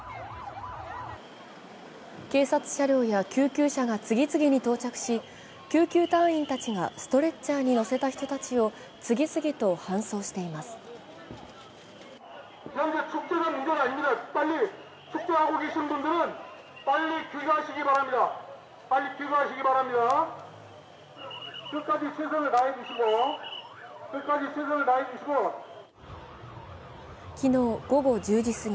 警察車両や救急車が次々に到着し、救急隊員たちがストレッチャーに乗せた人たちを次々と搬送しています。